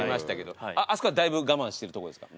あそこはだいぶ我慢してるところですか？